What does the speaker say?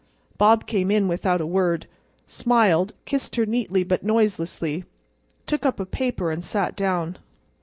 Bob came in without a word, smiled, kissed her neatly but noiselessly, took up a paper and sat down.